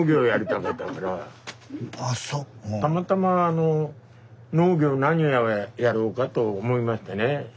たまたまあの農業何をやろうかと思いましてね